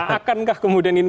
akankah kemudian ini